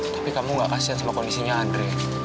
tapi kamu gak kasian sama kondisinya andre